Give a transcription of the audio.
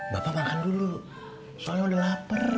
bapak makan dulu soalnya udah lapar